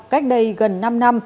cách đây gần năm năm